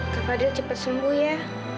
kak fadil cepet sembuh ya